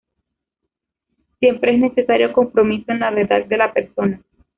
Siempre es necesario compromiso en la verdad de la persona.